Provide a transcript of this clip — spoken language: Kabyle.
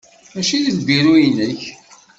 Mačči d lbiru-inek.